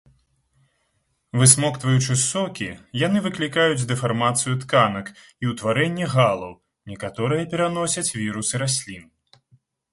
Высмоктваючы сокі, яны выклікаюць дэфармацыю тканак і ўтварэнне галаў, некаторыя пераносяць вірусы раслін.